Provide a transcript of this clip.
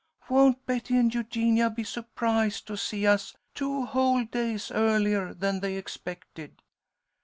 Won't Betty and Eugenia be surprised to see us two whole days earlier than they expected!"